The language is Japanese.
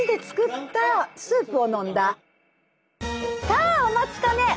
さあお待ちかね！